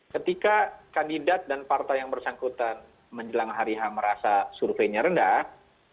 ketika kandidat dan partai yang bersangkutan menjelang hari h merasa surveinya rendah